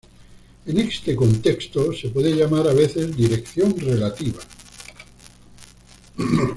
En este contexto se puede llamar a veces dirección relativa.